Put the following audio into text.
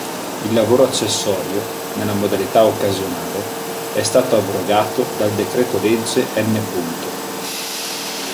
Il lavoro accessorio, nella modalità occasionale, è stato abrogato dal Decreto Legge n.